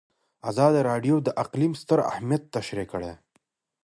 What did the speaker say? ازادي راډیو د اقلیم ستر اهميت تشریح کړی.